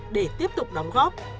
để tiếp tục đóng góp